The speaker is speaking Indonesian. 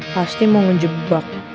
pasti mau ngejebak